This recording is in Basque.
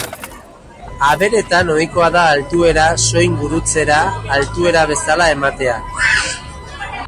Aberetan ohikoa da altuera soin gurutzera altuera bezala ematea.